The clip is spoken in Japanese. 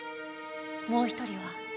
もう１人は？